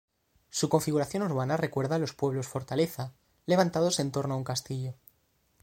Su configuración urbana recuerda los pueblos fortaleza, levantados en torno a un castillo.